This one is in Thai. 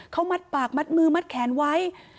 เขามัดปากมัดมือมัดแขนไว้